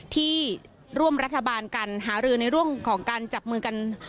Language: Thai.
ที่ร่วมรัฐบาลกันหารือในเรื่องของการจับมือกัน